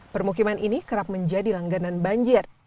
permukiman ini kerap menjadi langganan banjir